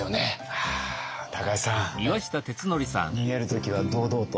ああ高井さん逃げる時は堂々と。